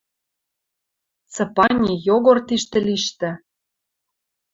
Цыпани, Йогор тиштӹ лиштӹ».